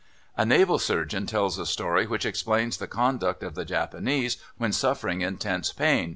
A naval surgeon tells a story which explains the conduct of the Japanese when suffering intense pain.